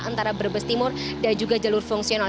antara brebes timur dan juga jalur fungsional